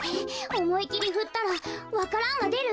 おもいきりふったらわか蘭がでる？